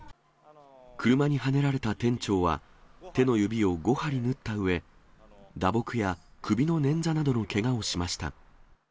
車にはねられた店長は、手の指を５針縫ったうえ、打撲や首の捻挫などのけがをしました。